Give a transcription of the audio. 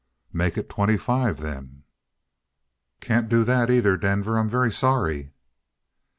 "Make it twenty five, then." "Can't do that either, Denver. I'm very sorry."